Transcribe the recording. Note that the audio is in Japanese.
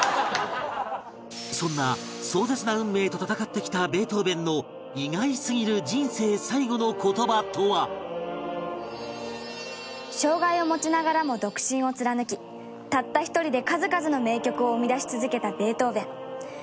そんな壮絶な運命と闘ってきたベートーヴェンの障害を持ちながらも独身を貫きたった１人で数々の名曲を生み出し続けたベートーヴェン。